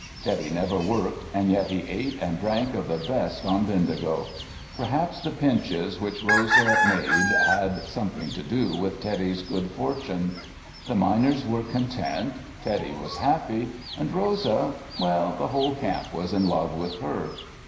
Teddy never worked and yet he ate and drank of the best on Bendigo. Perhaps the pinches which Rosa made had something to do with Teddy's good fortune. The miners were content, Teddy was happy, and Rosa—well the whole camp was in love with her."